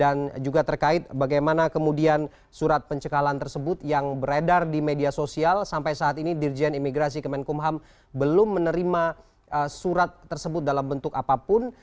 dan juga terkait bagaimana kemudian surat pencekalan tersebut yang beredar di media sosial sampai saat ini dirjen imigrasi kemenkumham belum menerima surat tersebut dalam bentuk apapun